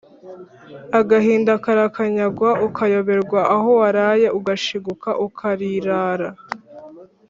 agahinda karakanyagwa, ukayoberwa aho waraye ugashiguka ukalirara